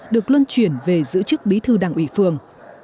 được luân chuyển về giữ chức bí thư đảng ủy phường